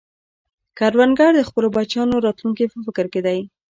کروندګر د خپلو بچیانو راتلونکې په فکر کې دی